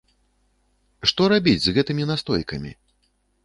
Што рабіць з гэтымі настойкамі?